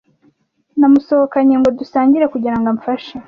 Namusohokanye ngo dusangire kugira ngo amfashe.